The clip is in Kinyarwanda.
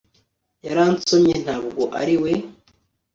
yaransomye, ntabwo ari we